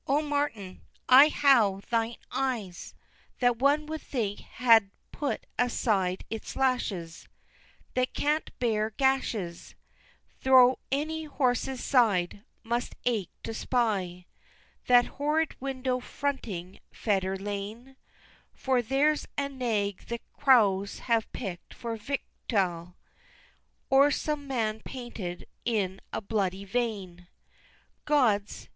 O, Martin I how thine eyes That one would think had put aside its lashes, That can't bear gashes Thro' any horse's side, must ache to spy That horrid window fronting Fetter lane, For there's a nag the crows have pick'd for victual, Or some man painted in a bloody vein Gods!